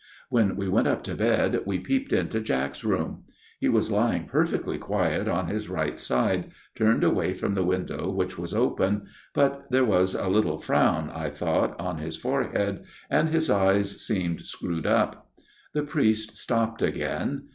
" When we went up to bed we peeped into Jack's room. He was lying perfectly quiet on his right side, turned away from the window which was open, but there was a little frown, I thought, on his forehead, and his eyes seemed screwed up." The priest stopped again.